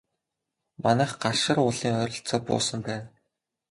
Манайх Галшар уулын ойролцоо буусан байв.